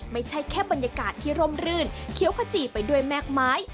ไม่ใช่แค่บรรยากาศที่ร่มรื่นเคี้ยวขจีไปด้วยแม่กไม้